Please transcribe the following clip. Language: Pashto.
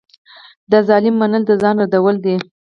د ظالم منل د ځان ردول دي.